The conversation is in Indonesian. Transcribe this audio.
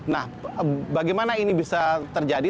nah bagaimana ini bisa terjadi